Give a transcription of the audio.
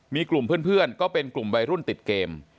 มีกลุ่มเพื่อนก็เป็นกลุ่มวัยรุ่นติดเกม